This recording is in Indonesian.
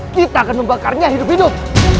kita akan membakarnya hidup hidup